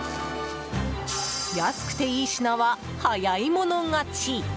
安くて良い品は早い者勝ち。